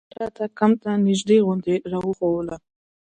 هغه راته کمپ ته نژدې غونډۍ راوښووله.